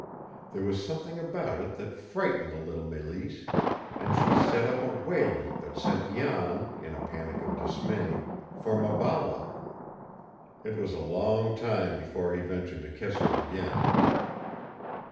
There was something about it that frightened the little Mélisse, and she set up a wailing that sent Jan, in a panic of dismay, for Maballa. It was a long time before he ventured to kiss her again.